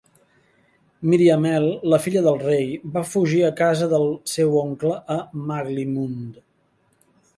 Miriamele, la filla del rei, va fugir a casa del seu oncle a Naglimund.